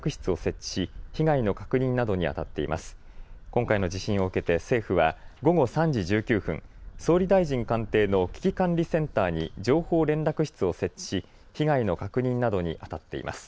今回の地震を受けて政府は午後３時１９分、総理大臣官邸の危機管理センターに情報連絡室を設置し被害の確認などにあたっています。